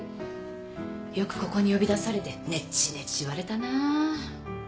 よくここに呼び出されてネチネチ言われたなぁ。